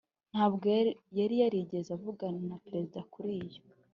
ntabwo yari yarigeze avugana na perezida kuri ibyo.